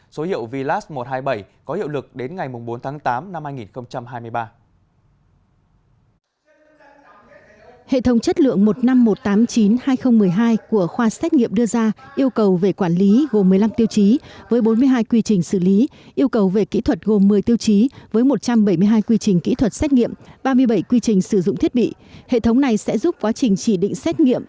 số hiệu vlas một trăm hai mươi bảy có hiệu lực đến ngày bốn tháng tám năm hai nghìn hai mươi ba